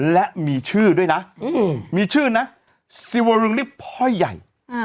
และมีชื่อด้วยนะมีชื่อนะสิวรุงนี่พ่อใหญ่